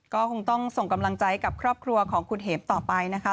ก็คงต้องส่งกำลังใจกับครอบครัวของคุณเห็มต่อไปนะคะ